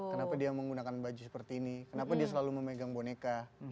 kenapa dia menggunakan baju seperti ini kenapa dia selalu memegang boneka